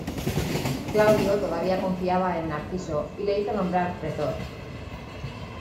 Claudio todavía confiaba en Narciso, y le hizo nombrar pretor.